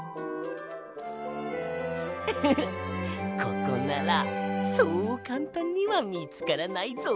ウフフッここならそうかんたんにはみつからないぞ。